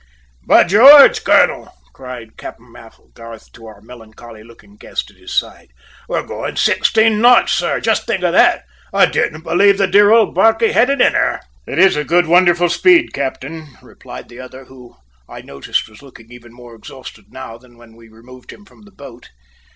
"By George, colonel!" cried Captain Applegarth to our melancholy looking guest at his side. "We're going sixteen knots, sir; just think of that! I didn't believe the dear old barquey had it in her!" "It is a good, wonderful speed, captain," replied the other, who, I noticed, was looking even more exhausted now than when we removed him from the boat.